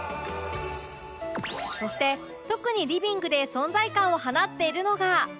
そして特にリビングで存在感を放っているのが